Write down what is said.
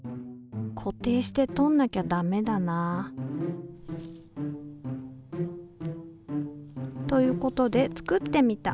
固定してとんなきゃダメだな。ということで作ってみた。